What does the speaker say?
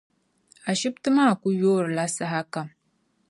Ashibiti maa kuli yoorila saha kam.